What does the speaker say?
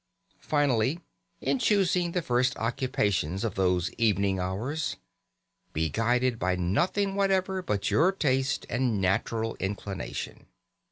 Finally, in choosing the first occupations of those evening hours, be guided by nothing whatever but your taste and natural inclination.